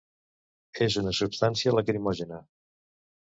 És una substància lacrimògena.